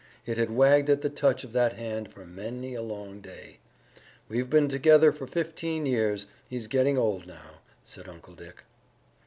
It had wagged at the touch of that hand for many a long day. "We've been together for fifteen years. He's getting old now," said Uncle Dick.